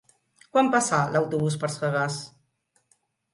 Quan passa l'autobús per Sagàs?